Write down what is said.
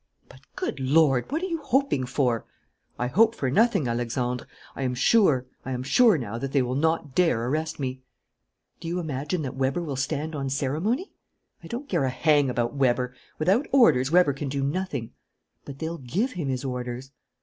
"But, good Lord! what are you hoping for?" "I hope for nothing, Alexandre. I am sure. I am sure now that they will not dare arrest me." "Do you imagine that Weber will stand on ceremony?" "I don't care a hang about Weber. Without orders, Weber can do nothing." "But they'll give him his orders."